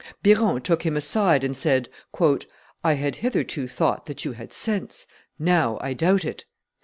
Biron took him aside and said, I had hitherto thought that you had sense; now I doubt it.